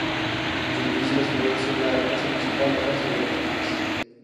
Los edificios más importantes son: la casa municipal, la cárcel y la iglesia.